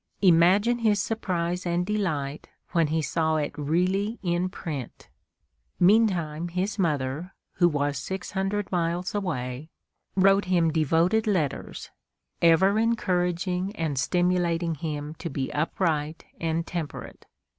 Imagine his surprise and delight when he saw it really in print! Meantime his mother, who was six hundred miles away, wrote him devoted letters, ever encouraging and stimulating him to be upright and temperate.